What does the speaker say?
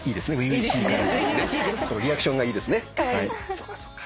そっかそっか。